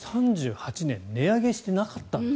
３８年、値上げしてなかった。